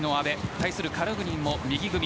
対するカルグニンも右組み。